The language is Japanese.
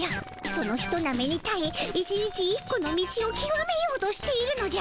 そのひとなめにたえ１日１個の道をきわめようとしているのじゃ。